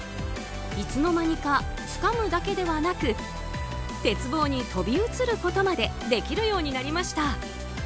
いつの間にかつかむだけではなく鉄棒に飛び移ることまでできるようになりました。